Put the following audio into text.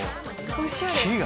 おしゃれ。